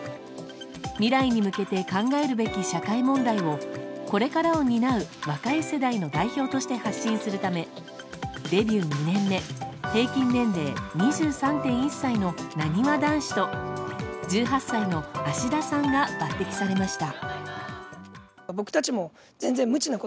未来に向けて考えるべき社会問題をこれからを担う若い世代の代表として発信するためデビュー２年目平均年齢２３．１歳のなにわ男子と１８歳の芦田さんが抜擢されました。